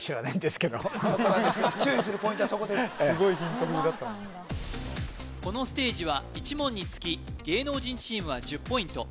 すごいヒント風だったのにこのステージは１問につき芸能人チームは１０ポイント